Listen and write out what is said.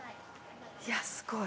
いやすごい。